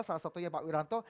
salah satunya pak wiranto